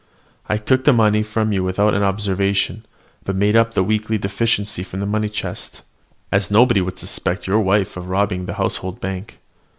I took the money from you without an observation, but made up the weekly deficiency from the money chest; as nobody would suspect your wife of robbing the household bank.